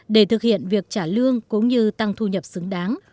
để thực hiện việc trả lương cũng như tăng thu nhập xứng đáng